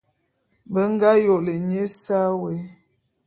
Be ngā yôlé nye ésa wé.